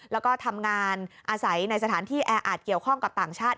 แล้วก็ทำงานอาศัยในสถานที่แออาจเกี่ยวข้องกับต่างชาติ